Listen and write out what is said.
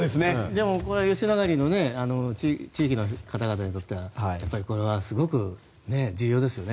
でもこれは吉野ヶ里の地域の方々にとってはこれはすごく重要ですよね。